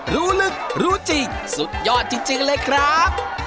รู้ลึกรู้จริงสุดยอดจริงเลยครับ